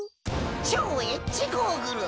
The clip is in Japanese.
超Ｈゴーグル！